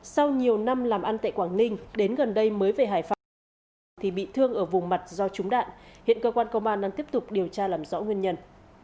sau nhiều năm làm ăn tại quảng ninh đến gần đây mới về hải phòng thì bị thương ở vùng mặt do trúng đạn hiện cơ quan công an đang tiếp tục điều tra làm rõ nguyên nhân